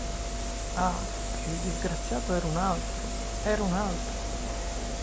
Ah, il disgraziato era un altro, era un altro!